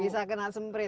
bisa kena semprit